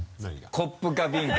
コップかビンか。